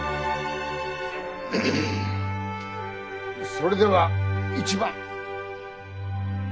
それでは一番。